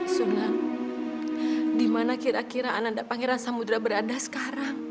sunan dimana kira kira anak anak pengairan samudera berada sekarang